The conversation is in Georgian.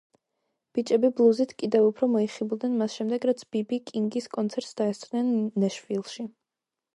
ბიჭები ბლუზით კიდევ უფრო მოიხიბლნენ მას შემდეგ, რაც ბი ბი კინგის კონცერტს დაესწრნენ ნეშვილში.